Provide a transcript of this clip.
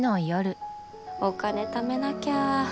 お金ためなきゃ。